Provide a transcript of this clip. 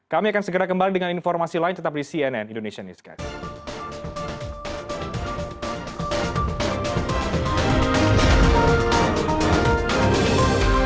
kami akan segera kembali dengan informasi lain tetap di cnn indonesia newscast